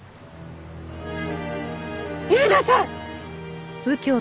言いなさい！